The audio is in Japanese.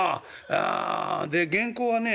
で原稿はね